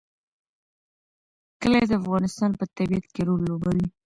کلي د افغانستان په طبیعت کې رول لوبوي.